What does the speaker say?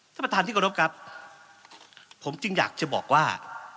ท่านประธานที่กรบครับผมจึงอยากจะบอกว่า